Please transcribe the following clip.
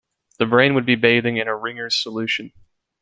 The brain would be bathing in a Ringer's solution.